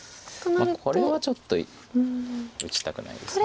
これはちょっと打ちたくないです。